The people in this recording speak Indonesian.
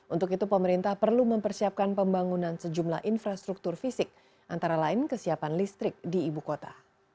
untuk itu pemerintah perlu mempersiapkan pembangunan sejumlah infrastruktur fisik antara lain kesiapan listrik di ibu kota